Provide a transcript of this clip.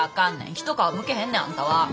一皮むけへんねんあんたは。